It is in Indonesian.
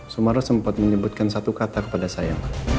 sumarro sempat menyebutkan satu kata kepada saya